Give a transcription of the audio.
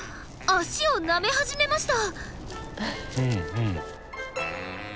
脚をなめ始めました。